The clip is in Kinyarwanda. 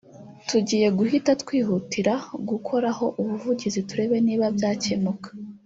tugiye guhita twihutira gukoraho ubuvugizi turebe niba byakemuka